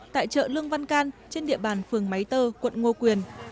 tại chợ lương văn can trên địa bàn phường máy tơ quận ngô quyền